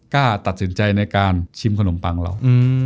กล้าตัดสินใจในการชิมขนมปังเรา